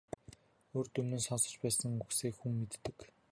Урьд өмнө нь сонсож байсан үгсээ хүн мэддэг.